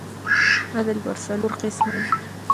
عدل پر څلور قسمه دئ.